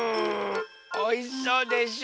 おいしそうでしょ？